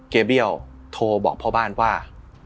เกรียบเดียวโทรบอกพ่อบ้านว่า